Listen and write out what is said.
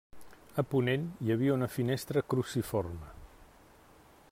A ponent hi havia una finestra cruciforme.